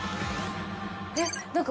えっ？何か。